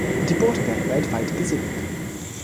Die Boote werden weltweit gesegelt.